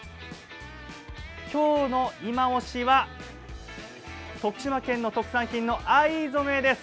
今日のいまオシは徳島県の特産品の藍染めです。